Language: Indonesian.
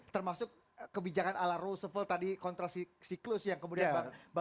termasuk kebijakan ala roosevelt tadi kontrasiklus yang kemudian